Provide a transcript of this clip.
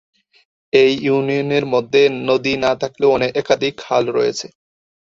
এই ইউনিয়নের মধ্যে নদী না থাকলেও একাধিক খাল রয়েছে।